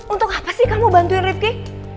untuk apa sih kamu bantuin ripki